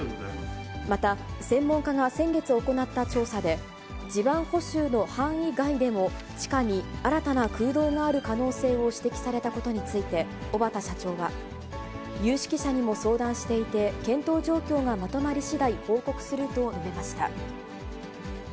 また、専門家が先月行った調査で、地盤補修の範囲外でも、地下に新たな空洞がある可能性を指摘されたことについて、小畠社長は、有識者にも相談していて、検討状況がまとまりしだい、報告すると述べました。